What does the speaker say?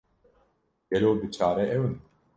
Gelo biçare ew in?